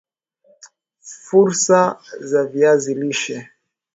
Fursa za viazi lishe